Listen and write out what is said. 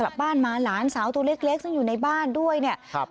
กลับบ้านมาหลานสาวตัวเล็กเล็กซึ่งอยู่ในบ้านด้วยเนี่ยครับ